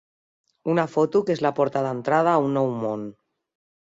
Una foto que és la porta d'entrada a un nou món.